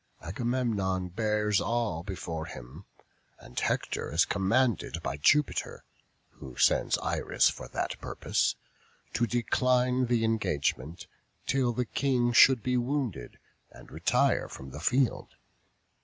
Agamemnon bears all before him; and Hector is commanded by Jupiter (who sends Iris for that purpose) to decline the engagement, till the king should be wounded, and retire from the field.